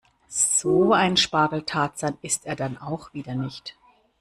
So ein Spargeltarzan ist er dann auch wieder nicht.